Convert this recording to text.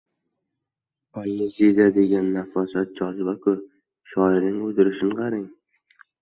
«Poyeziya degani nafosat, joziba-ku, shoirning o‘tirishini qarang…»